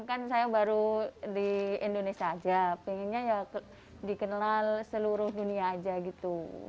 kan saya baru di indonesia aja pengennya ya dikenal seluruh dunia aja gitu